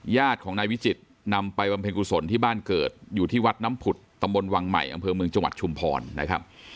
ญาติของนายวิจิตรนำไปบำเพ็ญกุศลที่บ้านเกิดอยู่ที่วัดน้ำผุดตำบลวังใหม่อำเภอเมืองจังหวัดชุมพรนะครับ